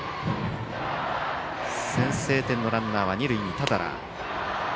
先制点のランナーは二塁に、多田羅。